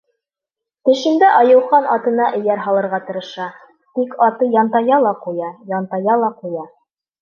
Төшөмдә Айыухан атына эйәр һалырға тырыша, тик аты янтая ла ҡуя, янтая ла ҡуя.